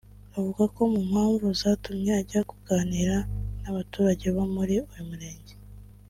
avuga ko mu mpamvu zatumye ajya kuganira n’abaturage bo muri uyu murenge